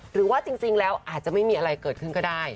หรือว่าจริงแล้วอาจจะไม่มีอะไรเกิดขึ้นก็ได้